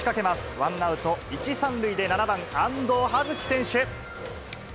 ワンアウト１、３塁で、７番安藤蓮姫選手。